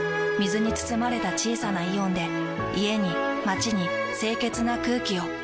水に包まれた小さなイオンで家に街に清潔な空気を。